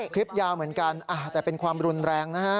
คลิปยาวเหมือนกันแต่เป็นความรุนแรงนะฮะ